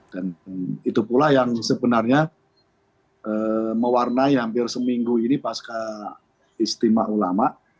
dan itu pula yang sebenarnya mewarnai hampir seminggu ini pas ke ijtima ulama